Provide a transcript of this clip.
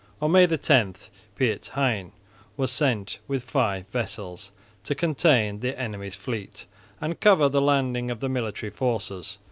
On May 10 Piet Hein was sent with five vessels to contain the enemy's fleet and cover the landing of the military forces.